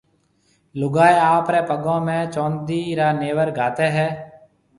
لوگائيَ آپريَ پگون ۾ چوندِي را نيور گھاتيَ ھيَََ